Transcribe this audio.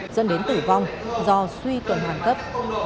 công đồ không ngã và quyết tâm